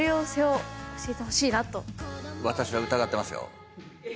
私は疑ってますよ。